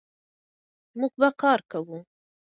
موږ به کار کوو.